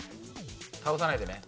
倒さないでね。